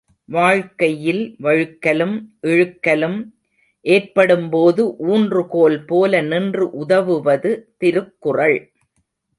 வாழ்க்கையில் வழுக்கலும், இழுக்கலும் ஏற்படும்போது ஊன்றுகோல் போல நின்று உதவுவது திருக்குறள்.